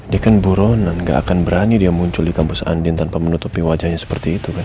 dia kan buronan gak akan berani dia muncul di kampus andin tanpa menutupi wajahnya seperti itu kan